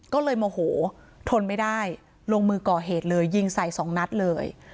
ก็เลยโมโหทนไม่ได้ลงมือก่อเหตุเลยยิงใส่สองนัดเลย